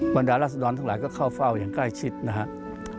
บรรดาราศดรทั้งหลายก็เข้าเฝ้าอย่างใกล้ชิดนะครับ